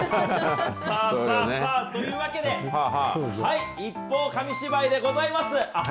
さあさあさあ、というわけで、ＩＰＰＯＵ紙芝居でございます。